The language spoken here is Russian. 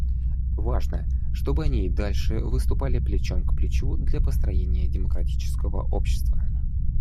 Важно, чтобы они и дальше выступали плечом к плечу для построения демократического общества.